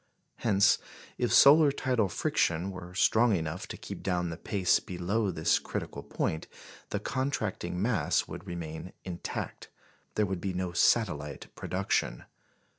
Hence, if solar tidal friction were strong enough to keep down the pace below this critical point, the contracting mass would remain intact there would be no satellite production.